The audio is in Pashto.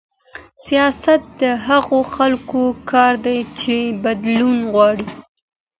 سياست د هغو خلګو کار دی چي بدلون غواړي.